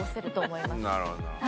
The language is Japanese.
なるほど。